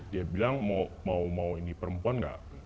dia bilang mau ini perempuan gak